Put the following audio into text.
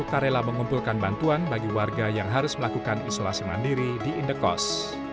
suka rela mengumpulkan bantuan bagi warga yang harus melakukan isolasi mandiri di indekos